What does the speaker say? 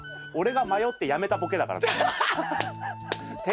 俺が迷ってやめたボケだから。